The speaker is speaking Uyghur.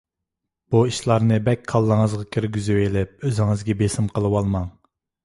بۇ ئىشلارنى بەك كاللىڭىزغا كىرگۈزۈۋېلىپ ئۆزىڭىزگە بېسىم قىلىۋالماڭ.